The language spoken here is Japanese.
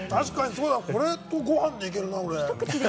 俺、これとご飯でいけるな。